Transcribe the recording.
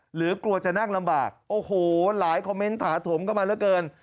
หรือกลัวจะนั่งลำบากโอ้โหหลายคอมเมนต์ถาสมก็มาเกิน